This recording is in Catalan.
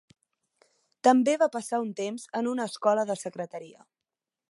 També va passar un temps en una escola de secretaria.